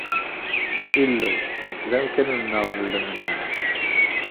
Illu, d amkan-nneɣ n lemneɛ.